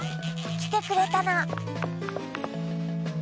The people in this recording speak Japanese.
きてくれたの。